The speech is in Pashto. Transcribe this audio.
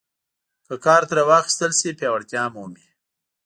که کار ترې واخیستل شي پیاوړتیا مومي.